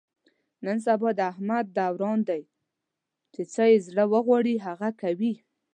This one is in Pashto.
نن سبا د احمد دوران دی، چې څه یې زړه و غواړي هغه کوي.